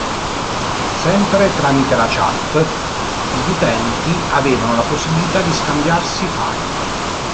Sempre tramite la chat gli utenti avevano la possibilità di scambiarsi file.